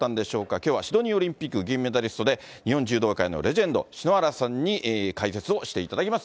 きょうはシドニーオリンピック銀メダリストで、日本柔道界のレジェンド、篠原さんに解説をしていただきます。